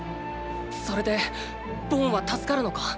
それでボンは助かるのか？